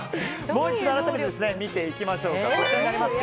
もう一度改めて見ていきましょう。